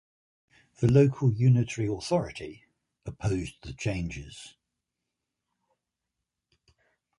The local unitary authority opposed the changes.